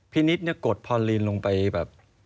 พี่นิดกดพอลินลงไปแบบ